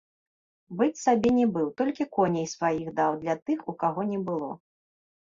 Быць сабе не быў, толькі коней сваіх даў для тых, у каго не было.